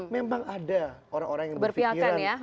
memang ada orang orang yang berpikiran